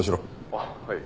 「あっはい」